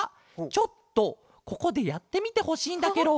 ちょっとここでやってみてほしいんだケロ。